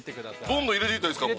◆どんどん入れていったらいいですか。